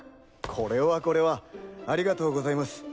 これはこれはありがとうございます。